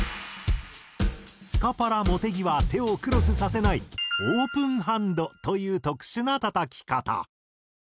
スカパラ茂木は手をクロスさせないオープンハンドという特殊な叩き方。